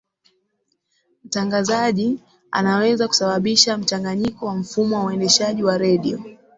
mtangazaji anaweza kusababisha mchanganyiko wa mfumo wa uendeshaji wa redio